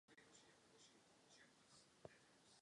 Tato stanice se nachází v západní větvi oranžové linky.